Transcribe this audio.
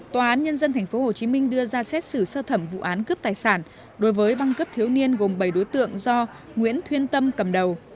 tòa án nhân dân tp hcm đưa ra xét xử sơ thẩm vụ án cướp tài sản đối với băng cấp thiếu niên gồm bảy đối tượng do nguyễn thuyên tâm cầm đầu